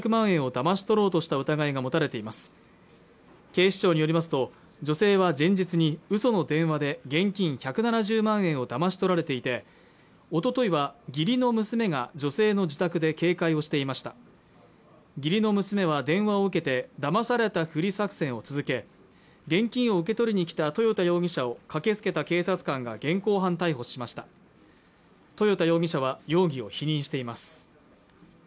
警視庁によりますと女性は前日にうその電話で現金１７０万円をだまし取られていておとといは義理の娘が女性の自宅で警戒をしていました義理の娘は電話を受けてだまされたふり作戦を続け現金を受け取りに来た豊田容疑者を駆けつけた警察官が現行犯逮捕しました豊田容疑者は容疑を否認しています